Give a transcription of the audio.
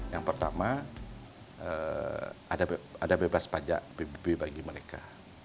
yang pertama ada bebas pajak pbb bagi mereka